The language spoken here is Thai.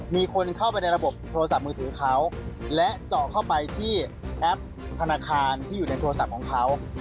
มีคนเข้าไปในระบบโทรศัพท์มือถือเขาและเจาะเข้าไปที่แอปธนาคารที่อยู่ในโทรศัพท์ของเขา